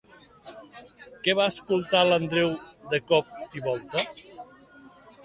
Què va escoltar l'Andreu de cop i volta?